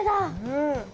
うん。